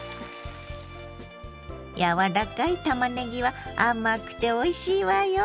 柔らかいたまねぎは甘くておいしいわよ。